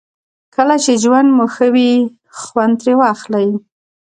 کله چې ژوند مو ښه وي خوند ترې واخلئ.